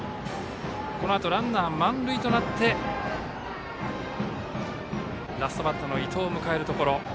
このあとランナー満塁となってラストバッターの伊藤。